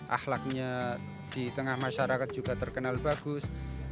ahlaknya di tengah masyarakat juga terkenal bagus